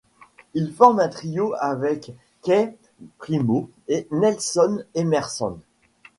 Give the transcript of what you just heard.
Il forme un trio avec Keith Primeau et Nelson Emerson.